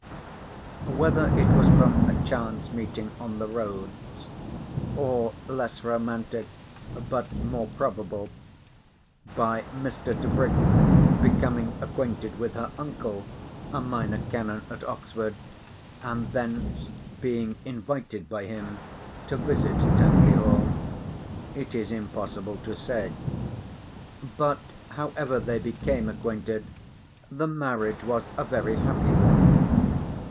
Whether it was from a chance meeting on the roads, or less romantic but more probable, by Mr. Tebrick becoming acquainted with her uncle, a minor canon at Oxford, and thence being invited by him to visit Tangley Hall, it is impossible to say. But however they became acquainted the marriage was a very happy one.